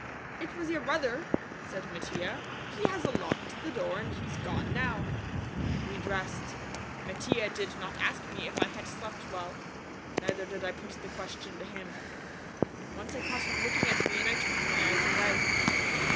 "It was your brother," said Mattia; "he has unlocked the door and he's gone now." We dressed. Mattia did not ask me if I had slept well, neither did I put the question to him. Once I caught him looking at me and I turned my eyes away.